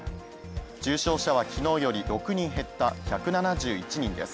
重症者は昨日より６人減った１７１人です。